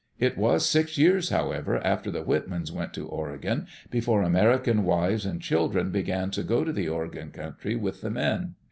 It was six years, however, after the Whitmans went to Oregon before American wives and children began to go to the Oregon country with the men.